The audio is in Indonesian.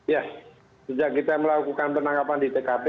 ya sejak kita melakukan penangkapan di tkp